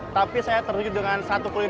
tapi saya terjun dengan satu kuliner